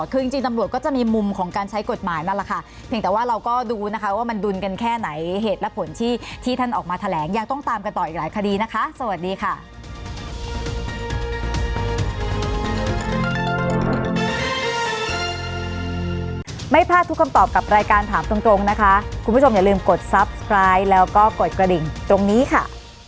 คือจริงตำรวจก็จะมีมุมของการใช้กฎหมายนั่นแหละค่ะเพียงแต่ว่าเราก็ดูนะคะว่ามันดุลกันแค่ไหนเหตุและผลที่ที่ท่านออกมาแถลงยังต้องตามกันต่ออีกหลายคดีนะคะสวัสดีค่ะ